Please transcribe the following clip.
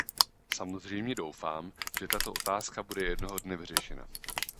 Samozřejmě doufám, že tato otázka bude jednoho dne vyřešena.